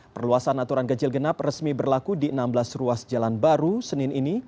perluasan aturan ganjil genap resmi berlaku di enam belas ruas jalan baru senin ini